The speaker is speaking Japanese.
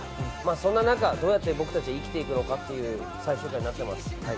そんな中、どうやって僕たちは生きていくのかという最終回になっています。